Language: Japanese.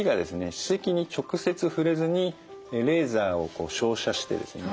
歯石に直接触れずにレーザーをこう照射してですね